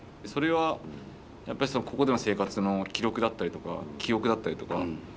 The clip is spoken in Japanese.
それはやっぱりそのここでの生活の記録だったりとか記憶だったりとか。